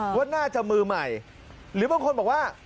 ว่าน่าจะมือใหม่หรือบางคนบอกว่า